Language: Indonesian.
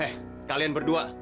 eh kalian berdua